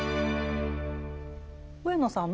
上野さん